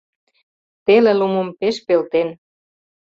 Теле лумым пеш пелтен.